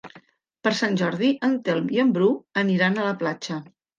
Per Sant Jordi en Telm i en Bru aniran a la platja.